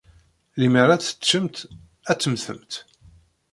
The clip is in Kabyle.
Lemmer ad tt-teččemt, ad temmtemt.